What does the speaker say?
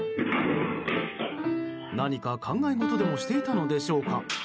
何か考え事でもしていたのでしょうか。